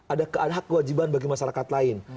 ada hak kewajiban bagi masyarakat lain